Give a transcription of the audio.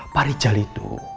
pak rijal itu